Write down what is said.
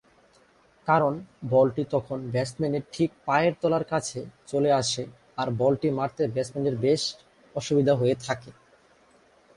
কারণ বলটি তখন ব্যাটসম্যানের ঠিক পায়ের তলার কাছে চলে আসে আর বলটি মারতে ব্যাটসম্যানের বেশ অসুবিধা হয়ে থাকে।